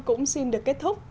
cũng xin được kết thúc